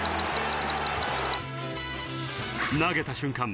投げた瞬間